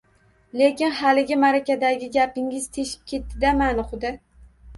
Lekin, haligi, maʼrakadagi gapingiz teshib ketdi-da, mani, quda!